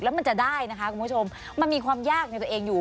แล้วมันจะได้นะคะคุณผู้ชมมันมีความยากในตัวเองอยู่